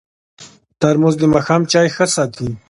ترموز د ماښام چای ښه ساتي.